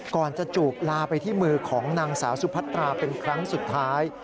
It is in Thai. ก่อนจะจูบลาไปที่มือของนางสาวสุพัตราเป็นครั้งสุดท้าย